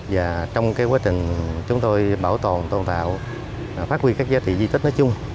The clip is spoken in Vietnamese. và trong quá trình chúng tôi bảo tồn tôn tạo phát huy các giá trị di tích nói chung